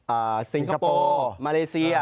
อ่าซิงคโป้มาเมริเซีย